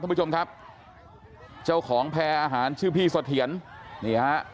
ท่านผู้ชมครับเจ้าของแพร่อาหารชื่อพี่เสถียรนี่ฮะ